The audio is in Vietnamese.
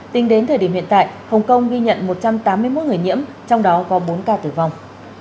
tính đến thời điểm hiện tại hồng kông ghi nhận một trăm tám mươi một người nhiễm trong đó có bốn ca tử vong